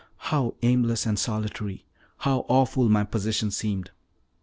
How aimless and solitary, how awful my position seemed!